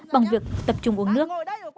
bằng việc tập trung uống nước